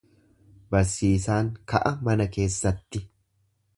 Barsiisaan ka'a mana keessatti.